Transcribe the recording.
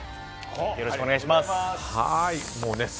よろしくお願いします。